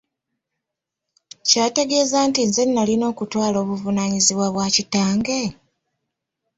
Ky'ategeeza nti nze nnalina okutwala obuvunaanyizibwa bwa kitange?